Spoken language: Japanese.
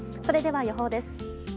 それでは、予報です。